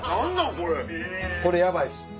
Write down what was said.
これヤバいっす。